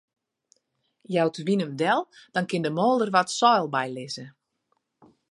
Jout de wyn him del, dan kin de moolder wat seil bylizze.